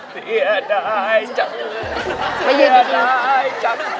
เสียดายจังเสียดายจัง